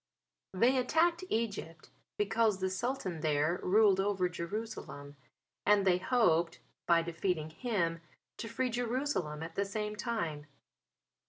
They attacked Egypt because the Sultan there ruled over Jerusalem and they hoped by defeating him to free Jerusalem at the same time.